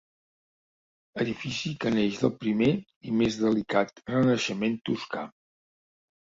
Edifici que neix del primer i més delicat renaixement toscà.